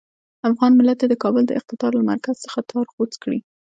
افغان ملت دې د کابل د اقتدار له مرکز څخه تار غوڅ کړي.